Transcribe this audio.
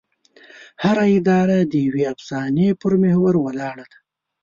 هره اداره د یوې افسانې پر محور ولاړه ده.